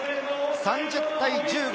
３０対１５。